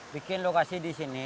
bikin lokasi disini